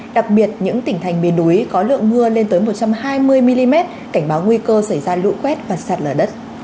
đặc biệt những tỉnh thành miền núi có lượng mưa lên tới một trăm hai mươi mm cảnh báo nguy cơ xảy ra lũ quét và sạt lở đất